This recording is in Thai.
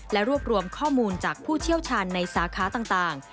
และรวบรวมข้อมูลจากผู้เชี่ยวชาญในสาขาต่าง